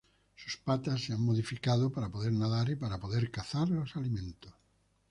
Sus patas se han modificado para poder nadar y para poder cazar los alimentos.